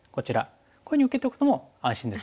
こういうふうに受けておくのも安心です。